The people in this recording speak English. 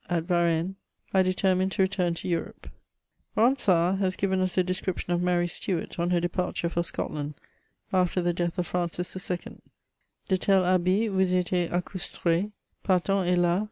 AT VARBNNE8 — ^I DETERMINE TO RETURN TO EUROPE. RoNSARD has g^ven us a description of Mary Stuart, on her departure for ScoUand afler the death of Francis IL :—" De tel habit vous etiez accoustr^e, Partant helas